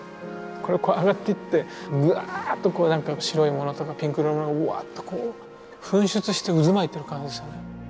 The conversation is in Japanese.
これこう上がっていってわっとこうなんか白いものとかピンクのものがわっとこう噴出して渦巻いてる感じですよね。